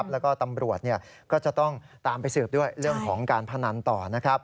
แล้วก็ตำรวจก็จะต้องตามไปสืบด้วยเรื่องของการพนันต่อนะครับ